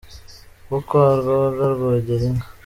Wo kwa rwoga rwogera inka